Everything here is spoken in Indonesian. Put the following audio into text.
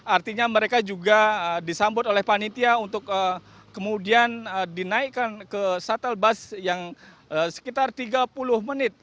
artinya mereka juga disambut oleh panitia untuk kemudian dinaikkan ke shuttle bus yang sekitar tiga puluh menit